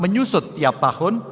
menyusut tiap tahun